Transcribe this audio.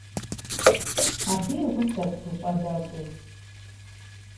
Абы и гъусэт зы щӀалэщӀи.